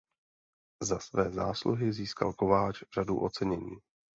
Za své zásluhy získal Kováč řadu ocenění.